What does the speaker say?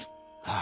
あ。